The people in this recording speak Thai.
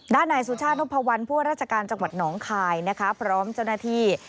ด้านในสุชาติภพวันธ์พวกราชการจังหวัดหนองคายพร้อมเจ้าหน้าที่